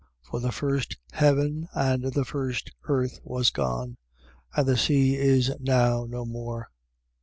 For the first heaven and the first earth was gone: and the sea is now no more.